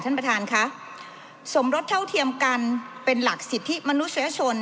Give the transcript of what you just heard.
ท่านประธานค่ะสมรสเท่าเทียมกันเป็นหลักสิทธิมนุษยชน